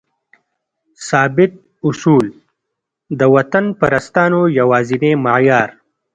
ثابت اصول؛ د وطنپرستانو یوازینی معیار